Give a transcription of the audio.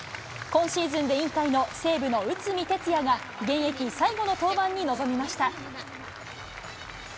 今シーズンで引退の西武の内海哲也が現役最後の登板に臨みました。